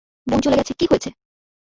বোন চলে গেছে কী হয়েছে?